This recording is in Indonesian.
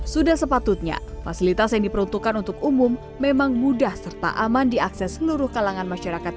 sudah sepatutnya fasilitas yang diperuntukkan untuk umum memang mudah serta aman diakses seluruh kalangan masyarakat